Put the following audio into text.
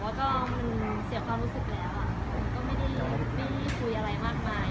ก่อนที่เราแต่ไปคุยในแชคนั้น